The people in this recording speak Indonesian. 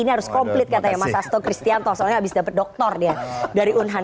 ini harus komplit katanya mas asto kristianto soalnya habis dapat doktor dia dari unhan